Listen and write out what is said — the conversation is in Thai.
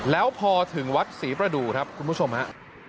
แล้วพอถึงวัดศรีประดูครับคุณผู้ชมฮะ